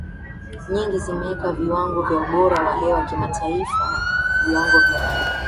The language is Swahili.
nyingi zimeweka viwango vya ubora wa hewa ya kitaifa Viwango vya